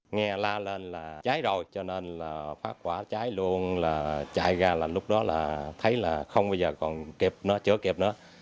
nghe la lên là cháy rồi cho nên là phát quả cháy luôn là chạy ra là lúc đó là thấy là không bao giờ còn kịp nó chữa kịp nữa